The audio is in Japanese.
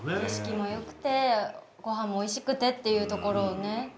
景色も良くてごはんもおいしくてっていうところをね